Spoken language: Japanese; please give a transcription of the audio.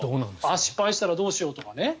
失敗したらどうしようとか。